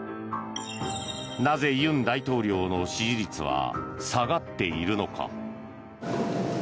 なぜ、尹大統領の支持率は下がっているのか。